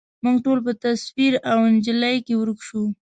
موږ ټول په تصویر او انجلۍ کي ورک شوو